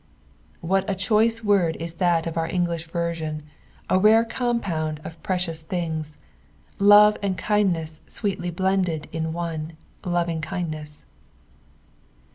What a choice word is that of our Gtigliah version, a rare compound of precious thioKS : love and kindness sweetly blcadud in one —" lovingkindneGS."